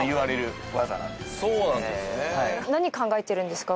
何考えてるんですか？